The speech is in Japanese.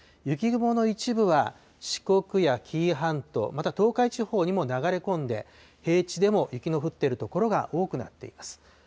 雪雲の一部は、四国や紀伊半島、また、東海地方にも流れ込んで、平地でも雪の降っている所が多くなっています。